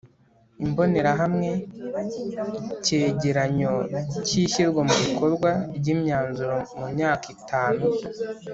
Imbonerahamwe Ikigereranyo cy ishyirwa mu bikorwa ry imyanzuro mu myaka itanu